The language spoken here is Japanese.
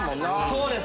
そうです。